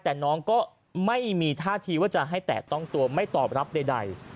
แต่น้องก็ไม่มีท่าทีว่าจะให้แตะต้องตัวไม่ตอบรับใด